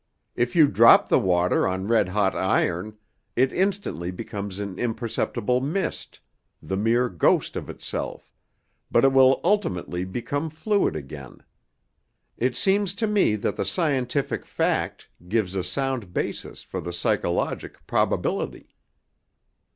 If you drop the water on red hot iron, it instantly becomes an imperceptible mist, the mere ghost of itself, but it will ultimately become fluid again. It seems to me that the scientific fact gives a sound basis for the psychologic probability."